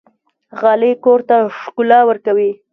غالۍ کور ته ښکلا ورکوي.